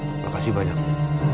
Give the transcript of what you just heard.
terima kasih banyak bu